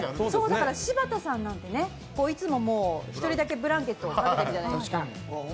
柴田さんなんて、いつも１人だけブランケットをかけているじゃないですか。